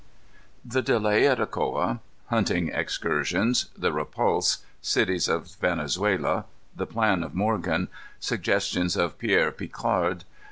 _ The Delay at Ocoa. Hunting Excursions. The Repulse. Cities of Venezuela. The Plan of Morgan. Suggestions of Pierre Picard.